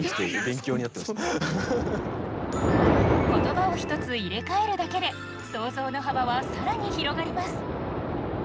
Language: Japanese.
言葉を１つ入れ替えるだけで想像の幅は更に広がります